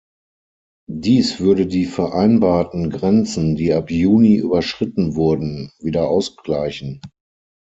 Dies würde die vereinbarten Grenzen, die ab Juni überschritten wurden, wieder ausgleichen.